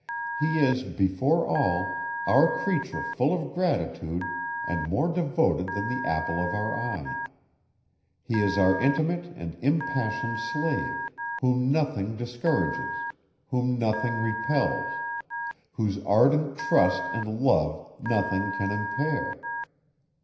He is, before all, our creature full of gratitude and more devoted than the apple of our eye. He is our intimate and impassioned slave, whom nothing discourages, whom nothing repels, whose ardent trust and love nothing can impair.